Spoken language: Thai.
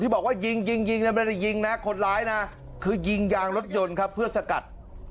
ที่บอกว่ายิงยิงยิงยิงนะคนร้ายนะคือจีงยางรถโยนครับเพื่อสกัด